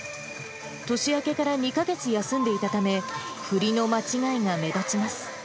年明けから２か月休んでいたため、振りの間違いが目立ちます。